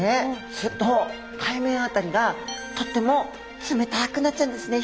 すると海面辺りがとっても冷たくなっちゃうんですね。